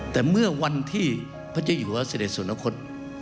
แต่เมื่อวันที่พระเจ้าอยู่ว่าเสด็จสวรรคต